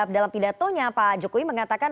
dalam pidatonya pak jokowi mengatakan